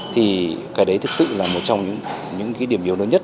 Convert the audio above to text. thì cái đấy thực sự là một trong những điểm yếu lớn nhất